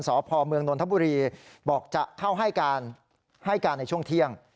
สพเมืองนนทบุรีบอกจะเข้าให้การให้การในช่วงเที่ยง